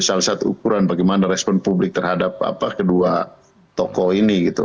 salah satu ukuran bagaimana respon publik terhadap kedua tokoh ini gitu